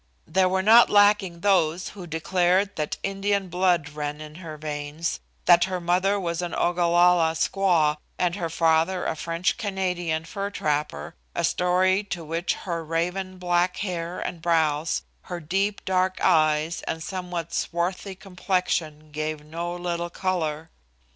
There were not lacking those who declared that Indian blood ran in her veins that her mother was an Ogalalla squaw and her father a French Canadian fur trapper, a story to which her raven black hair and brows, her deep, dark eyes and somewhat swarthy complexion gave no little color.